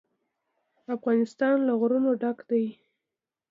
افغانستان له غرونه ډک دی.